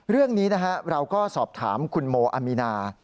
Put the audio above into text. เรื่องนี้เราก็สอบถามคุณโมอามีนา